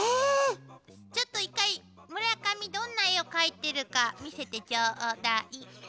ちょっと１回村上どんな絵を描いてるか見せてちょうだい。